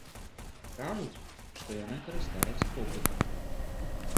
Кажуць, што яна карыстаецца попытам.